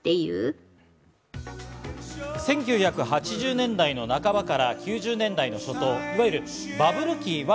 １９８０年代の半ばから９０年代の初頭、いわゆるバブル期は